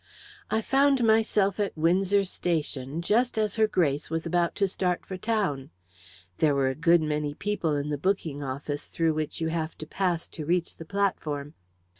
"I found myself at Windsor Station just as Her Grace was about to start for town. There were a good many people in the booking office through which you have to pass to reach the platform.